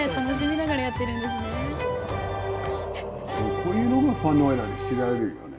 こういうのがファンの間で知られるよね